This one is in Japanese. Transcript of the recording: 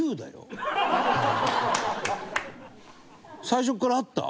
最初からあった？